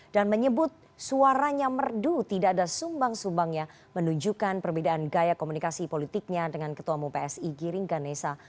dan menyebut suaranya merdu tidak ada sumbang sumbangnya menunjukkan perbedaan gaya komunikasi politiknya dengan ketua mupsi giringganesa